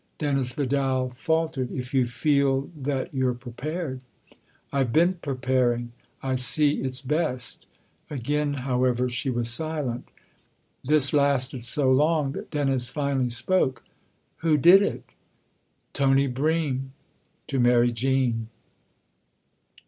Dennis Vidal faltered. "If you feel that you're prepared." "I've been preparing. I see it's best." Again,, however, she was silent. This lasted so long that Dennis finally spoke. "Who did it?" " Tony Bream to marry Jean."